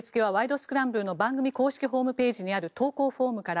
スクランブル」の番組公式ホームページにある投稿フォームから。